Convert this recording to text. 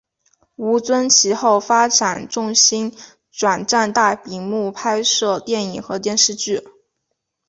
吴尊其后发展重心转战大银幕拍摄电影和电视剧。